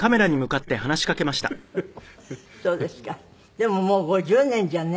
でももう５０年じゃね。